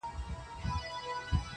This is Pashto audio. غواړم چي ديدن د ښكلو وكړمـــه~